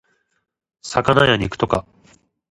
魚や肉とか